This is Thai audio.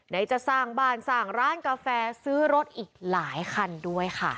จะสร้างบ้านสร้างร้านกาแฟซื้อรถอีกหลายคันด้วยค่ะ